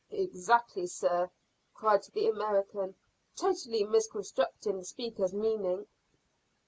"Exactly, sir," cried the American, totally misconstruing the speaker's meaning.